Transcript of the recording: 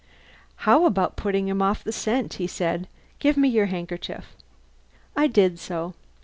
"How about putting him off the scent?" he said. "Give me your handkerchief." I did so.